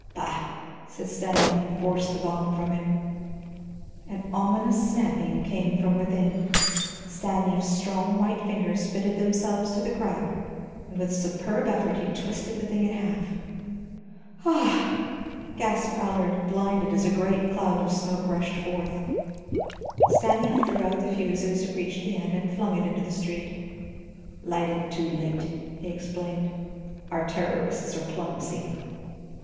"Bah," said Stanief, and forced the bomb from him. An ominous snapping came from within. Stanief's strong white fingers fitted themselves to the crack and with a superb effort he twisted the thing in half. "Ah!" gasped Allard, blinded, as a great cloud of smoke rushed forth. Stanief drew out the fuse as it reached the end, and flung it into the street. "Lighted too late," he explained. "Our terrorists are clumsy."